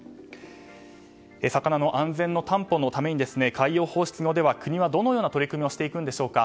魚の安全の担保のために海洋放出まで国はどのような取り組みをするんでしょうか。